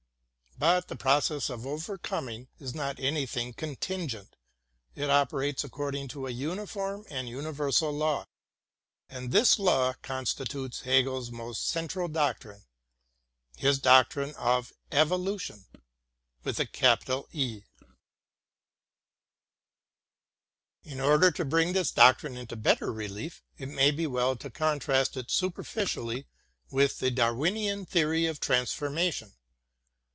But the process of overcoming is not any thing contingent; it operates according to a uniform and universal law. And this law constitutes Hegel's most cen tral doctrine — his doctrine of Evolution. In order to bring this doctrine into better relief, it may be well to contrast it superficially with the Darwinian theory of transformation.